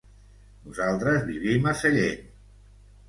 Nosaltres vivim a Sellent.